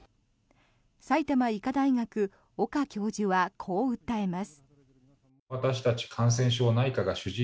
埼玉医科大学、岡教授はこう訴えます。